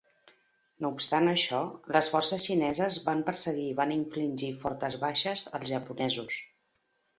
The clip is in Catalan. No obstant això, les forces xineses van perseguir i van infligir fortes baixes als japonesos.